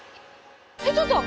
えっちょっと！